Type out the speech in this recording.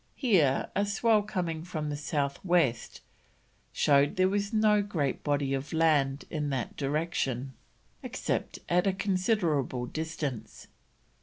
Here a swell coming from the south west showed there was no great body of land in that direction, except at a considerable distance.